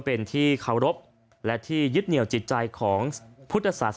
เป็นที่เคารพและที่ยึดเหนียวจิตใจของพุทธศาสนา